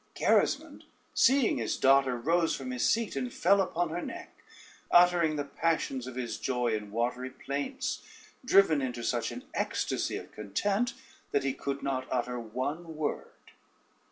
[Footnote 1: a thin silk.] Gerismond, seeing his daughter, rose from his seat and fell upon her neck, uttering the passions of his joy in watery plaints, driven into such an ecstasy of content, that he could not utter one word.